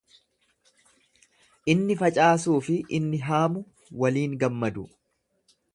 Inni facaasuu fi inni haamu waliin gammadu.